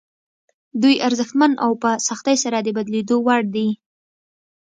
دوی ارزښتمن او په سختۍ سره د بدلېدو وړ دي.